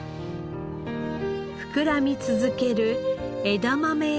膨らみ続ける枝豆への夢。